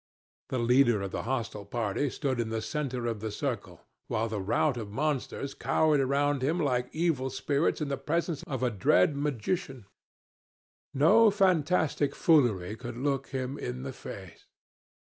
The leader of the hostile party stood in the centre of the circle, while the rout of monsters cowered around him like evil spirits in the presence of a dread magician. No fantastic foolery could look him in the face.